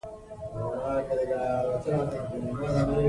جنګ به زور اخلي.